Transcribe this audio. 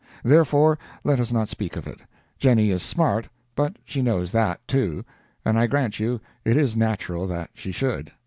Therefore, let us not speak of it. Jenny is smart—but she knows that too, and I grant you it is natural that she should.